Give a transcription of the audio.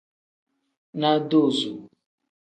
Nodoozo.